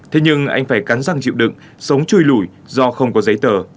thế nhưng anh phải cắn răng chịu đựng sống chui lủi do không có giấy tờ